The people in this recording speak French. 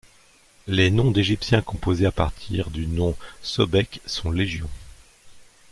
Les noms d'Égyptiens composés à partir du nom Sobek sont légion.